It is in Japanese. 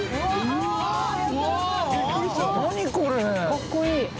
かっこいい。